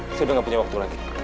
saya udah gak punya waktu lagi